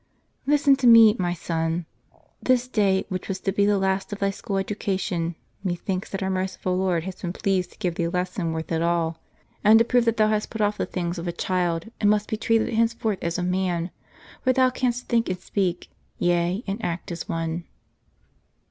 " Listen to me, my son. This day, which was to be the last of thy school education, methinks that our merciful Lord has been pleased to give thee a lesson worth it all ; and to prove that thou hast put off the things of a child, and must be treated henceforth as a man; for thou canst think and speak, yea, and act as one."